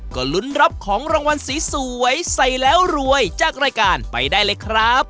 ก็ลุ้นรับของรางวัลสวยใส่แล้วรวยจากรายการไปได้เลยครับ